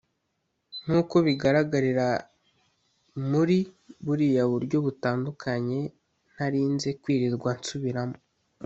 nk’uko bigaragarira muri buriya buryo butandukanye ntarinze kwirirwa nsubiramo